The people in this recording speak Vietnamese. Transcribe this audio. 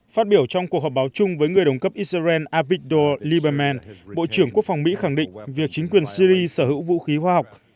phát biểu trong cuộc họp báo chung với người đồng cấp israel apicdo liberman bộ trưởng quốc phòng mỹ khẳng định việc chính quyền syri sở hữu vũ khí hóa học